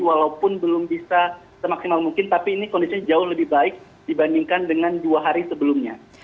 walaupun belum bisa semaksimal mungkin tapi ini kondisinya jauh lebih baik dibandingkan dengan dua hari sebelumnya